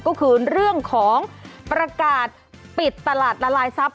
ก็คือเรื่องของประกาศปิดตลาดละลายทรัพย